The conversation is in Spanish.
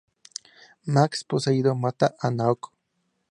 Max poseído mata a Naoko.